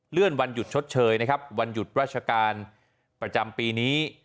วันหยุดชดเชยนะครับวันหยุดราชการประจำปีนี้